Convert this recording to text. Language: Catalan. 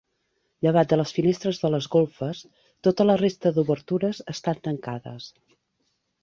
Llevat de les finestres de les golfes, tota la resta d'obertures estan tancades.